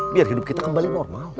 biar hidup kita kembali normal